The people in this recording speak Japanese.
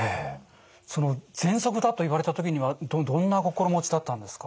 そのぜんそくだと言われた時にはどんな心持ちだったんですか？